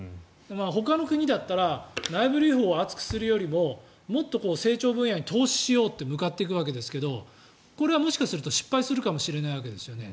ほかの国だったら内部留保を厚くするよりももっと成長分野に投資しようと向かっていくわけですがこれはもしかすると失敗するかもしれないわけですよね。